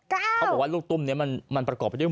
เขาบอกว่าลูกตุ้มนี้มันประกอบไปด้วย